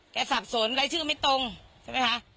สับสนรายชื่อไม่ตรงใช่ไหมคะ